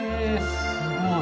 すごい。